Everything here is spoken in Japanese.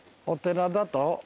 お寺だと？